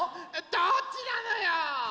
どっちなのよ？